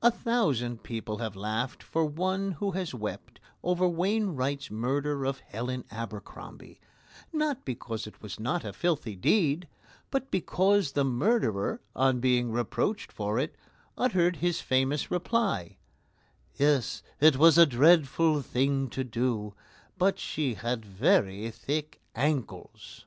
A thousand people have laughed for one who has wept over Wainwright's murder of Helen Abercrombie, not because it was not a filthy deed, but because the murderer, on being reproached for it, uttered his famous reply: "Yes; it was a dreadful thing to do, but she had very thick ankles."